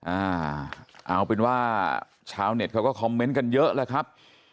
อ่าเอาเป็นว่าชาวเน็ตเขาก็คอมเมนต์กันเยอะแล้วครับ